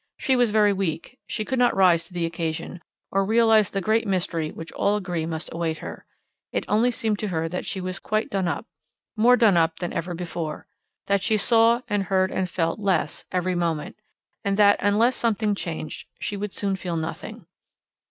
She was very weak; she could not rise to the occasion, or realize the great mystery which all agree must await her; it only seemed to her that she was quite done up more done up than ever before; that she saw and heard and felt less every moment; and that, unless something changed, she would soon feel nothing.